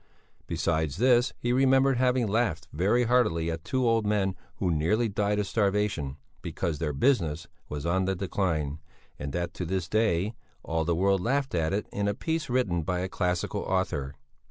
Besides this he remembered having laughed very heartily at two old men who nearly died of starvation because their business was on the decline, and that to this day all the world laughed at it in a piece written by a classical author.